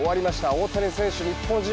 大谷選手、日本人